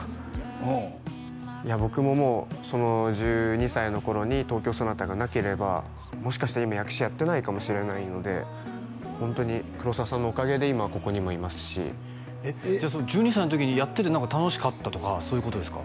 うん僕ももうその１２歳の頃に「トウキョウソナタ」がなければもしかしたら今役者やってないかもしれないのでホントに黒沢さんのおかげで今ここにもいますしじゃあその１２歳の時にやってて何か楽しかったとかそういうことですか？